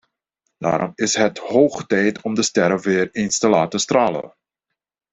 Daarom is het hoog tijd om de sterren weer eens te laten stralen.